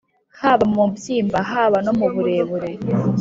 haba mu mubyimba haba no mu burebure.